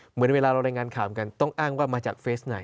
เหมือนเวลาเรารายงานข่าวกันต้องอ้างว่ามาจากเฟสไหน